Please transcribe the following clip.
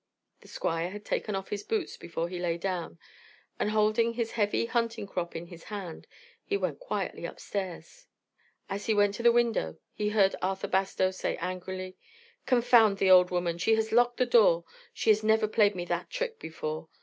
The Squire had taken off his boots before he lay down, and, holding his heavy hunting crop in his hand, he went quietly upstairs. As he went to the window he heard Arthur Bastow say angrily: "Confound the old woman! she has locked the door; she has never played me that trick before.